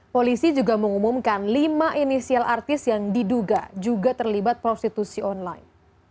polisi juga mengumumkan lima inisial artis yang diduga juga terlibat prostitusi online